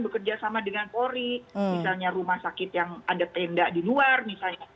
bekerja sama dengan polri misalnya rumah sakit yang ada tenda di luar misalnya